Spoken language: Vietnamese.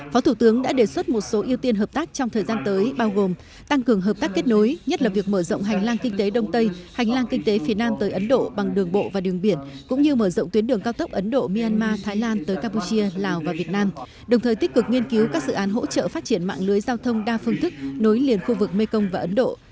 phó thủ tướng đã đề xuất một số ưu tiên hợp tác trong thời gian tới bao gồm tăng cường hợp tác kết nối nhất là việc mở rộng hành lang kinh tế đông tây hành lang kinh tế phía nam tới ấn độ bằng đường bộ và đường biển cũng như mở rộng tuyến đường cao tốc ấn độ myanmar thái lan tới campuchia lào và việt nam đồng thời tích cực nghiên cứu các dự án hỗ trợ phát triển mạng lưới giao thông đa phương thức nối liền khu vực mekong và ấn độ